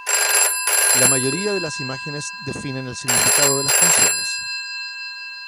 La mayoría de las imágenes definen el significado de las canciones.